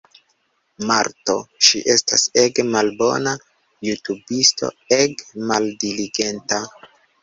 Marto. Ŝi estas ege malbona jutubisto, ege maldiligenta